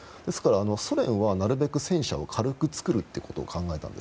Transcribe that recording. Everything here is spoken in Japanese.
ソ連はなるべく戦車を軽く作ることを考えたんです。